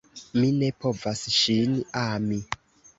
Mi ne povas ŝin ami!